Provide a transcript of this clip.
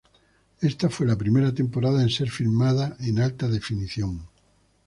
Esta fue la primera temporada en ser filmada en alta definición.